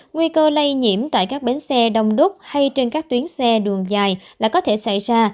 nguy cơ lây nhiễm tại các bến xe đông đúc hay trên các tuyến xe đường dài là có thể xảy ra